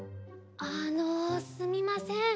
あのすみません。